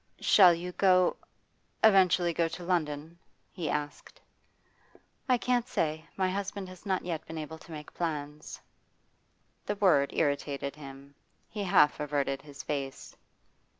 'Shall you go eventually go to London?' he asked. 'I can't say. My husband has not yet been able to make plans.' The word irritated him. He half averted his face.